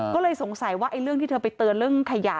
ก็เลยสงสัยว่าเรื่องที่เธอไปเตือนเรื่องขยะ